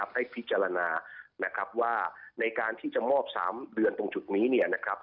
ให้พิจารณาว่าในการที่จะมอบ๓เดือนตรงจุดนี้